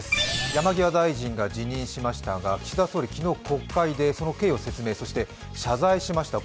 山際大臣が辞任しましたが岸田総理、昨日国会でその経緯を説明、そして、謝罪しました